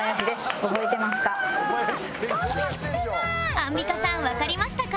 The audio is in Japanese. アンミカさんわかりましたか？